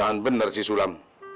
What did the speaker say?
jangan bener sih sulam